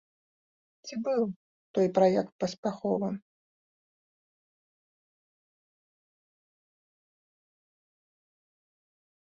Ці быў той праект паспяховым?